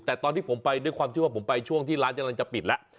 แต่ตอนที่ผมไปด้วยความที่ว่าผมไปช่วงที่ร้านกำลังจะปิดแล้ว